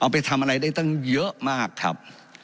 ไปทำอะไรได้ตั้งเยอะมากครับ